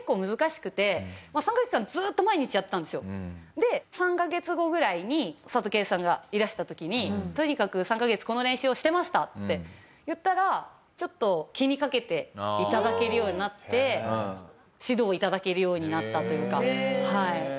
で３カ月後ぐらいにサトケンさんがいらした時に「とにかく３カ月この練習をしてました！」って言ったらちょっと気にかけて頂けるようになって指導を頂けるようになったというかはい。